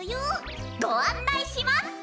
ごあんないします！